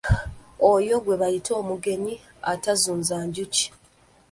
Oyo gwe bayita omugenyi atazunza njuki.